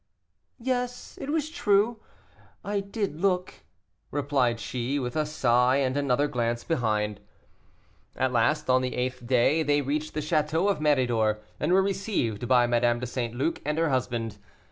"Yes, it was true, I did look," replied she, with a sigh and another glance behind. At last, on the eighth day, they reached the château of Méridor, and were received by Madame de St. Luc and her husband.